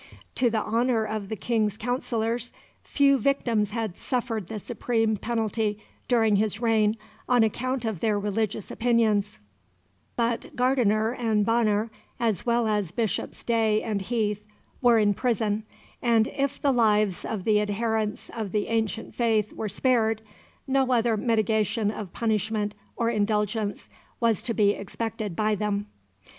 To the honour of the King's counsellors, few victims had suffered the supreme penalty during his reign on account of their religious opinions; but Gardiner and Bonner, as well as Bishops Day and Heath, were in prison, and if the lives of the adherents of the ancient faith were spared, no other mitigation of punishment or indulgence was to be expected by them.